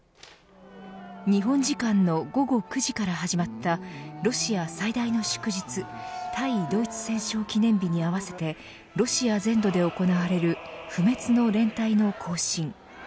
日本時間の午後９時から始まったロシア最大の祝日対ドイツ戦勝記念日に合わせてロシア全土で行われる不滅の連隊の行進。